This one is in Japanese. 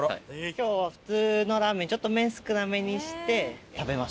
今日は普通のラーメンちょっと麺少なめにして食べました。